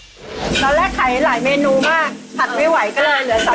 ตอนแรกขายหลายเมนูมากผัดไม่ไหวก็เลยเหลือ๒๐๐